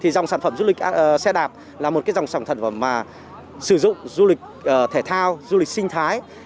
dòng sản phẩm du lịch xe đạp là một dòng sản phẩm sử dụng du lịch thể thao du lịch sinh thái